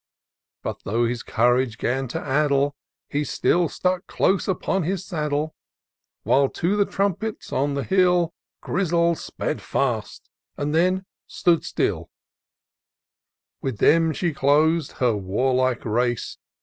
But, though his courage 'gan to addle, He still stuck close upon his saddle 5 While to the trumpets on the hill. Grizzle sped fast, and then stood still : With them she clos'd her warlike race.